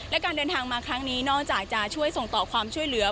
และการเดินทางมาครั้งนี้นอกจากจะช่วยส่งต่อความช่วยเหลือ